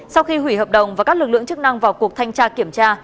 sau khi hủy hợp đồng và các lực lượng chức năng vào cuộc thanh tra kiểm tra